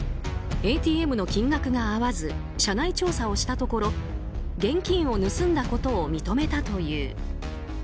ＡＴＭの金額が合わず社内調査をしたところ現金を盗んだことを認めたという。